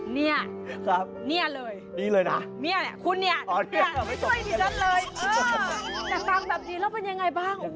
นี่นี่เลยคุณนี่ไม่ช่วยดิฉันเลยเออแต่ฟังแบบนี้แล้วเป็นยังไงบ้าง